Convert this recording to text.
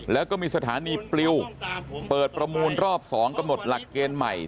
แล้วก็มีสถานีปลิวเปิดประมูลรอบ๒กำหนดหลักเกณฑ์ใหม่